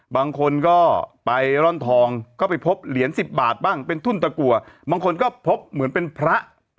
บางคนก็ไปร่อนทองก็ไปพบเหรียญสิบบาทบ้างเป็นทุ่นตะกัวบางคนก็พบเหมือนเป็นพระ